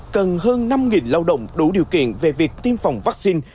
cần hơn năm lao động đủ điều kiện về việc tiêm phòng vaccine